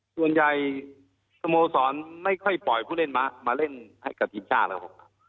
ส่วนใหญ่สโมสรไม่ค่อยปล่อยผู้เล่นมาเล่นให้กับทีมชาติแล้วครับ